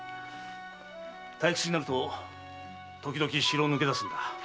退屈になるとときどき城を抜け出すんだ。